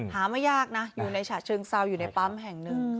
ไม่ยากนะอยู่ในฉะเชิงเซาอยู่ในปั๊มแห่งหนึ่ง